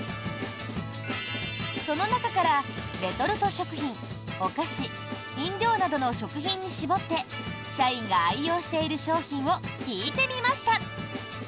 その中からレトルト食品お菓子、飲料などの食品に絞って社員が愛用している商品を聞いてみました。